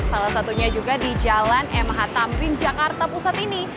salah satunya juga di jalan mh tamrin jakarta pusat ini